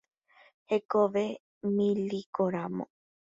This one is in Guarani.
Hekove milíkoramo.